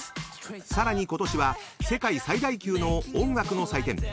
［さらにことしは世界最大級の音楽の祭典